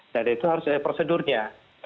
dan itu harus ada prosedurnya